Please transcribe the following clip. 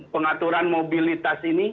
pengaturan mobilitas ini